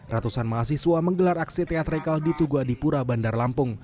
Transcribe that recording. ratusan mahasiswa menggelar aksi teatrikal di tugua dipura bandar lampung